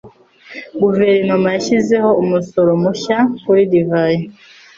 Guverinoma yashyizeho umusoro mushya kuri divayi.